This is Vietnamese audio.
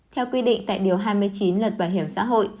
theo quy định tại điều hai mươi chín luật bảo hiểm xã hội